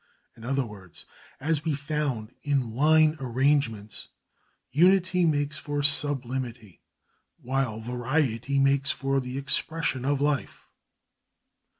In other words, as we found in line arrangements, unity makes for sublimity, while variety makes for the expression of life.